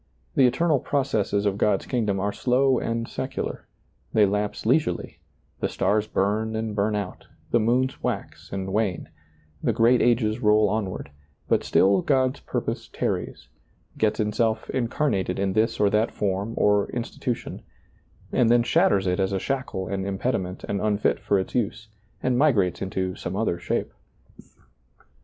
The eternal processes of God's kingdom are slow and secular ; they lapse leisurely, the stars bum and burn out, the moons wax and wane, " the great ages roll onward," but still God's purpose tarries, gets itself incarnated in this or that form or insti tution, and then shatters it as a shackle and im pediment and unfit for its use, and migrates into some other shape.